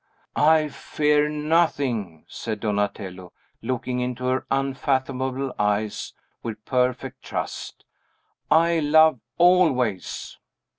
"I fear nothing!" said Donatello, looking into her unfathomable eyes with perfect trust. "I love always!"